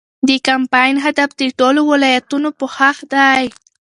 د کمپاین هدف د ټولو ولایتونو پوښښ دی.